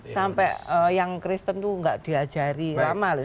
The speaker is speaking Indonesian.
sampai yang kristen itu gak diajari lama loh